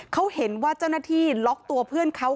เขาเห็นว่าเจ้าหน้าที่ล็อกตัวเพื่อนเขา